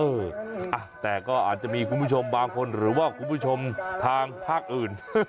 เออแต่ก็อาจจะมีคุณผู้ชมบางคนหรือว่าคุณผู้ชมทางภาคอื่น